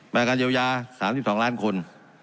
รายการเยียวยา๓๒ล้านคน